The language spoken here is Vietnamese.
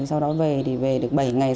sau đó về thì về được bảy ngày sau